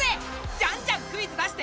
じゃんじゃんクイズ出して！